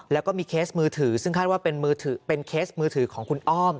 แล้วก็มีเคสมือถือซึ่งคาดว่าเป็นเคสมือถือของคุณอ้อม